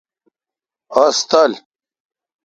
اوس تل۔